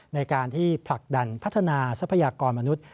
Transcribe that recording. ในการที่ผลักดันพัฒนาทรัพยากรมนุษย์